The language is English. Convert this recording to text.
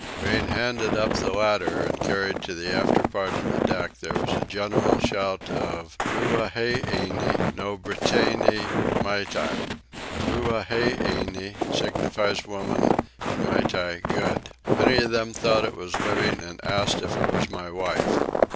Being handed up the ladder and carried to the after part of the deck there was a general shout of "Huaheine no Brittane myty." Huaheine signifies woman and myty good. Many of them thought it was living and asked if it was my wife.